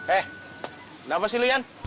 eh kenapa sih lo yan